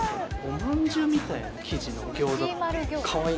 おまんじゅうみたいな生地の餃子。